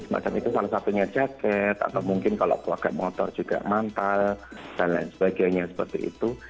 semacam itu salah satunya jaket atau mungkin kalau pakai motor juga mantal dan lain sebagainya seperti itu